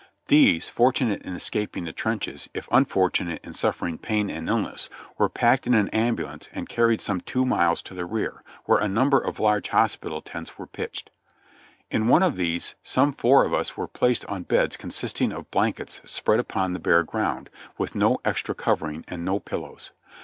These, fortunate in escaping the trenches, if un fortunate in suffering pain and illness, were packed in an ambu lance and carried some two miles to the rear, where a number of large hospital tents were pitched. In one of these some four of us were placed on beds consisting of blankets spread upon the bare ground, with no extra covering' and no pillows.